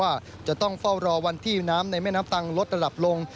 ว่าจะต้องเฝ้ารอวันที่น้ำในแม่น้ำตังลดระดับลง